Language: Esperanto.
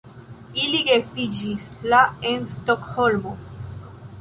Ili geedziĝis la en Stokholmo.